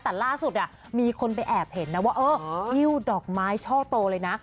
แต่ล่าสุดมีคนไปแอบเห็นนะว่าเออฮิ้วดอกไม้ช่อโตเลยนะ